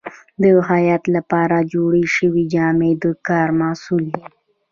د خیاط لپاره جوړې شوې جامې د کار محصول دي.